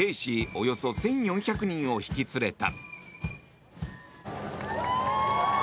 およそ１４００人を引き連れた。